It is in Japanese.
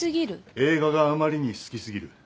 映画があまりに好き過ぎる。